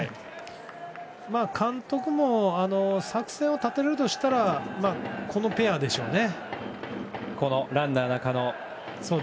監督も作戦を立てるとしたらこのペアでしょうね。